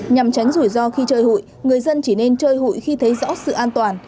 nhằm tránh rủi ro khi chơi hội người dân chỉ nên chơi hội khi thấy rõ sự an toàn